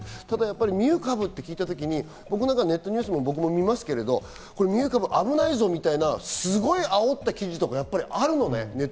ミュー株と聞いたときに僕もネットニュース見ますけどミュー株危ないぞみたいなすごいあおった記事とかあるのね。